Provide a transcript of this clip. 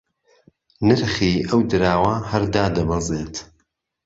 نرخی ئەو دراوە هەر دادەبەزێت